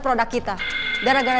burainen ip irgendwie yang lu kata